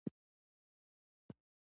د روم خلک باید بوخت ساتل شوي وای